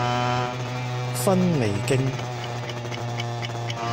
芬尼徑